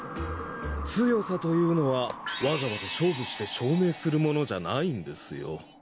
強さというのはわざわざ勝負して証明するものじゃないんですよ